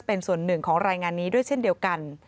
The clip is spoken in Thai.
เป็นส่วนหนึ่งของรายงานนี้ด้วยเช่นเดียวกัน